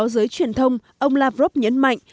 theo báo giới truyền thông ông lavrov nhấn mạnh